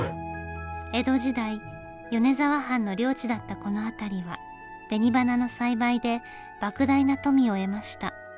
江戸時代米沢藩の領地だったこの辺りは紅花の栽培でばく大な富を得ました。